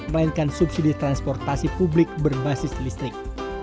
melainkan subsidi transportasi publik berbasis listrik